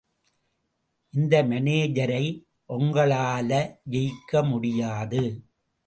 இந்த மானேஜரை ஒங்களால ஜெயிக்க முடியாது.